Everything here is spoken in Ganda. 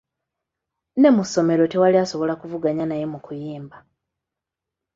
Ne mu ssomero tewali asobola kuvuganya naye mu kuyimba.